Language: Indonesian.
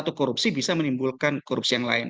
atau korupsi bisa menimbulkan korupsi yang lain